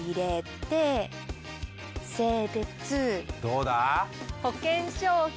どうだ？